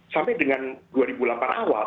sampai dengan dua ribu delapan awal